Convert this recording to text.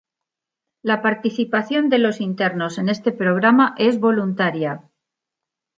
La participación de los internos en este programa es voluntaria.